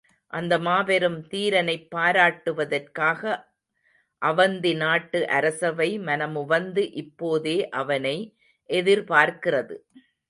அந்த மாபெரும் தீரனைப் பாராட்டுவதற்காக அவந்தி நாட்டு அரசவை மனமுவந்து இப்போதே அவனை எதிர்பார்க்கிறது.